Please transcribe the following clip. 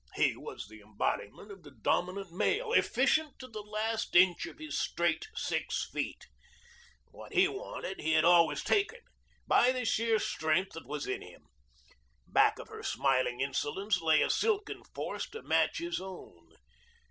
He was the embodiment of the dominant male, efficient to the last inch of his straight six feet. What he wanted he had always taken, by the sheer strength that was in him. Back of her smiling insolence lay a silken force to match his own.